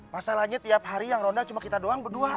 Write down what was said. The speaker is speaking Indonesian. masalahnya tiap hari yang ronda cuma kita doang berdua